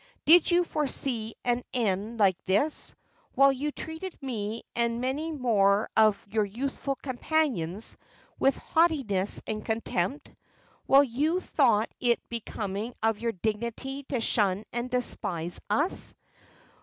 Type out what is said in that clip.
Did you foresee an end like this, while you treated me, and many more of your youthful companions, with haughtiness and contempt; while you thought it becoming of your dignity to shun and despise us?